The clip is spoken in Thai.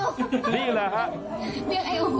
นี่แหละครับ